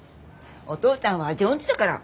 お父ちゃんは味音痴だから。